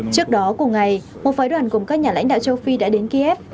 trước đó cùng ngày một phái đoàn cùng các nhà lãnh đạo châu phi đã đến kiev